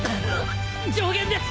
上弦です！